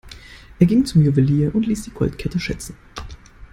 Er ging zum Juwelier und ließ die Goldkette schätzen.